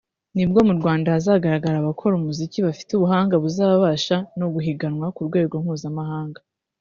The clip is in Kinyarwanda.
nibwo mu Rwanda hazagaragara abakora umuziki bafite ubuhanga buzabasha no guhiganwa ku rwego mpuzamahanga